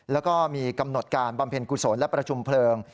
แล้วก็มีกำหนดการบำเพ็ญกุศลและประชุมเพลิง